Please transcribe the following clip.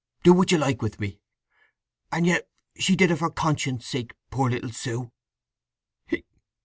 Do what you like with me! … And yet she did it for conscience' sake, poor little Sue!"